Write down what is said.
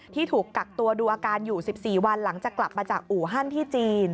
ที่ถูกกักตัวดูอาการอยู่๑๔วันหลังจากกลับมาจากอู่ฮั่นที่จีน